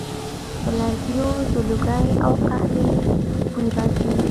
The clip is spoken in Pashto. د لرګیو د لوګي او قهوې بوی راځي